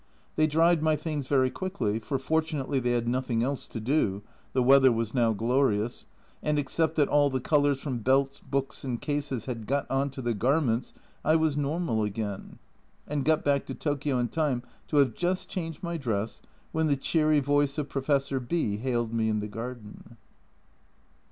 They dried my things very quickly, for fortunately they had nothing else to do (the weather was now glorious), and except that all the colours from belts, books, and cases had got on to the garments I was normal again, and got back to Tokio in time to have just changed my dress, when the cheery voice of Professor B hailed me in the garden.